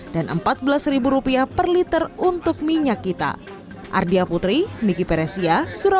dan rp empat belas per liter untuk minyak kita